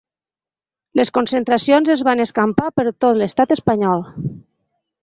Les concentracions es van escampar per tot l’estat espanyol.